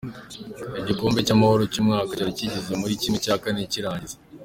Igikombe cy’Amahoro cy'umwaka cyari kigeze muri kimwe cya kane cy'irangiza.